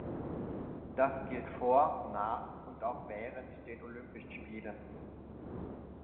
Das gilt vor, nach und auch während den Olympischen Spielen.